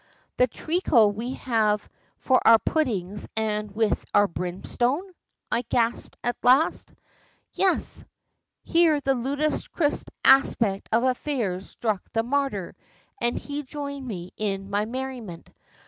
"The treacle we have for our puddings and with our brimstone?" I gasped at last. "Yes." Here the ludicrous aspect of affairs struck the martyr, and he joined me in my merriment.